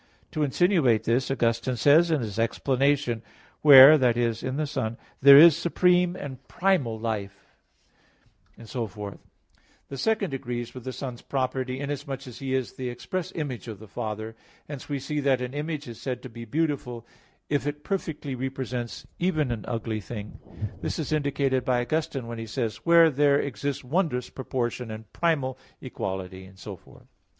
To insinuate this, Augustine says in his explanation (De Trin. vi, 10): "Where that is, in the Son there is supreme and primal life," etc. The second agrees with the Son's property, inasmuch as He is the express Image of the Father. Hence we see that an image is said to be beautiful, if it perfectly represents even an ugly thing. This is indicated by Augustine when he says (De Trin. vi, 10), "Where there exists wondrous proportion and primal equality," etc.